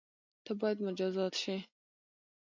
ته بايد مجازات شی